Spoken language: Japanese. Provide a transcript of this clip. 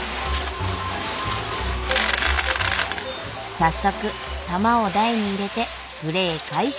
早速玉を台に入れてプレー開始！